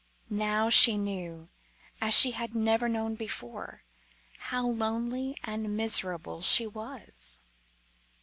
Now she knew, as she had never known before, how lonely and miserable she was.